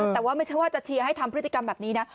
แต่ว่าไม่ใช่ว่าจะเชียร์ให้ทำพฤติกรรมแบบนี้นะ